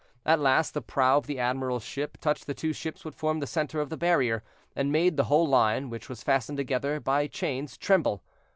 At last the prow of the admiral's ship touched the two ships which formed the center of the barrier, and made the whole line, which was fastened together by chains, tremble.